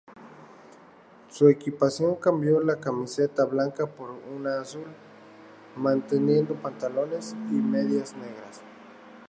Su equipación cambió la camiseta blanca por una azul, manteniendo pantalones y medias negras.